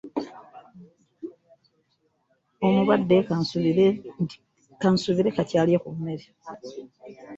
Omulwadde ka nsuubire kati alya ku mmere.